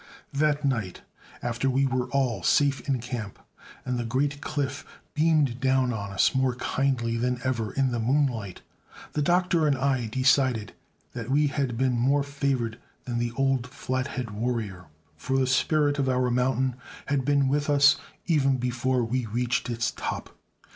That night, after we were all safe in camp, and the great cliff beamed down on us more kindly than ever in the moonlight, the Doctor and I decided that we had been more favored than the old Flathead warrior, for the spirit of our mountain had been with us even before we reached its top.